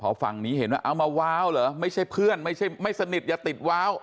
พอฝั่งนี้เห็นว่าเอามาว้าวเหรอไม่ใช่เพื่อนไม่ใช่ไม่สนิทอย่าติดว้าว